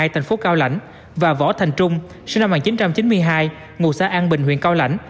thành phố cao lãnh và võ thành trung sinh năm một nghìn chín trăm chín mươi hai ngụ xã an bình huyện cao lãnh